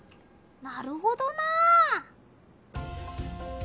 なるほどなあ。